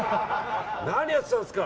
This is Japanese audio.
何やってたんですか！